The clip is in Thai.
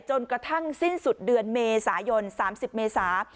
จนกระทั่งสิ้นสุดเดือนเมษายน๓๐เมษา